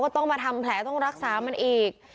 ต้องมาทำแผลต้องรักษามันอีก